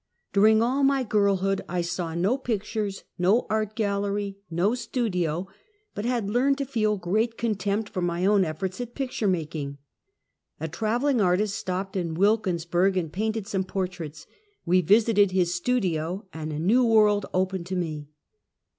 During all my girlhood I saw no pictures, no art gallery, no studio, but had learned to feel great con tempt for my own efforts at picture making. A traveling artist stopped in Wilkinsburg and painted some portraits; we visited his studio, and a new world opened to me.